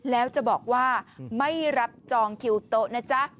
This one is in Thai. แล้วจะบอกว่าไม่รับจองคิวโต๊ะนะจ๊ะ